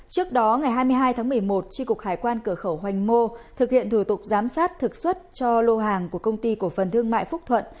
trước đó ngày hai mươi hai tháng một mươi một tri cục hải quan cửa khẩu hoành mô thực hiện thủ tục giám sát thực xuất cho lô hàng của công ty cổ phần thương mại phúc thuận